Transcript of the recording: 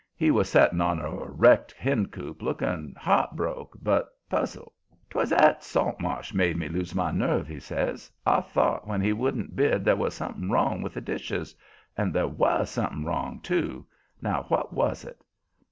He was setting on a wrecked hencoop, looking heart broke but puzzled. "'Twas that Saltmarsh made me lose my nerve," he says. "I thought when he wouldn't bid there was something wrong with the dishes. And there WAS something wrong, too. Now what was it?"